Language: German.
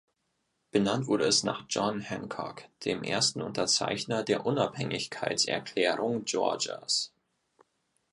Benannt wurde es nach John Hancock, dem ersten Unterzeichner der Unabhängigkeitserklärung Georgias.